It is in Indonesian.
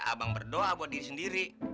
abang berdoa buat diri sendiri